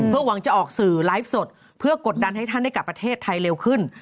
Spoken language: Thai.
เพื่อหวังจะออกสื่อไลฟ์สดเพื่อกดดันให้ท่านได้กลับประเทศไทยเร็วขึ้น